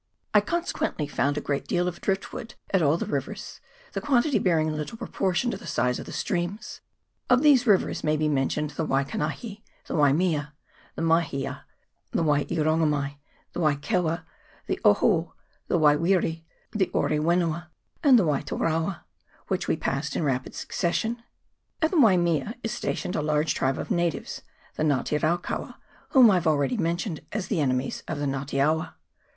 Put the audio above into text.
I con sequently found a great deal of drift wood at all the rivers, the quantity bearing little proportion to the size of the streams. Of these rivers may be mentioned the Waikanahi, the Wainiea, the Malm, the Wai e rongo mai, the Waikewa, the Ohou, the Waiwiri, the Orewenua, and the Wai te rawm, which we passed in rapid succession. At the Wai 126 MANAWATU RIVER. [PART I. mea is stationed a large tribe of natives, the Nga te raukaua, whom I have already mentioned as the enemies of the Nga te awa.